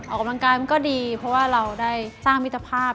ออกกำลังกายมันก็ดีเพราะว่าเราได้สร้างมิตรภาพ